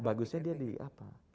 bagusnya dia di apa